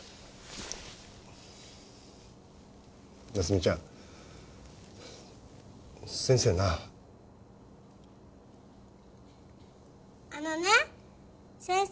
なつみちゃん先生なあのね先生